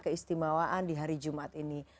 keistimewaan di hari jumat ini